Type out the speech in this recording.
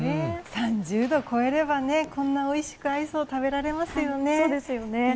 ３０度超えればこんな、おいしくアイスを食べられますよね。